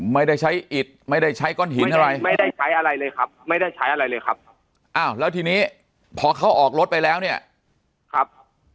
ไม่ได้ใช้อิดไม่ได้ใช้ก้อนหินอะไรไม่ได้ใช้อะไรเลยครับไม่ได้ใช้อะไรเลยครับอ้าวแล้วทีนี้พอเขาออกรถไปแล้วเนี่ยครับ